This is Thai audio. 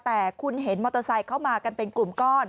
แต่คุณเห็นมอเตอร์ไซค์เข้ามากันเป็นกลุ่มก้อน